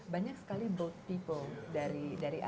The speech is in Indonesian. banyak sekali boat people dari asia